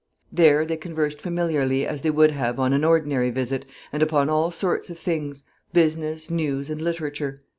There they conversed familiarly as they would have on an ordinary visit, and upon all sorts of things, business, news, and literature.